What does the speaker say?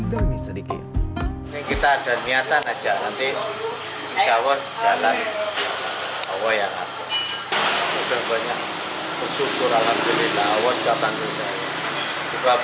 demi sedikit kita ada niatan aja nanti bisa word dalam oh ya ampun itu banyak